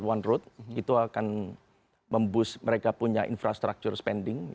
dengan polisi yang mempunyai infrastruktur yang lebih keterangkan